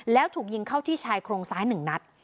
แล้วถูกยิงเข้าที่ชายโครงซ้าย๑นัด